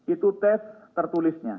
itu tes tertulisnya